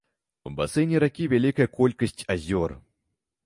У басейне ракі вялікая колькасць азёр.